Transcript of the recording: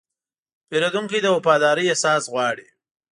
پیرودونکی د وفادارۍ احساس غواړي.